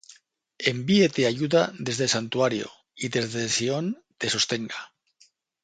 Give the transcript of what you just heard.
Envíete ayuda desde el santuario, Y desde Sión te sostenga.